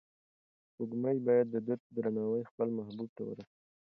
سپوږمۍ باید د ده درناوی خپل محبوب ته ورسوي.